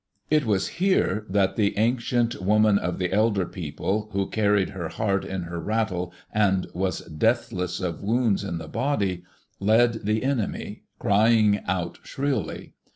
It was here that the Ancient Woman of the Elder People, who carried her heart in her rattle and was deathless of wounds in the body, led the enemy, crying out shrilly.